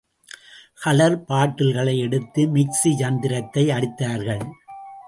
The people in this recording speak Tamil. கலர் பாட்டல்களை எடுத்து, மிக்ஸி யந்திரத்தை அடித்தார்கள்.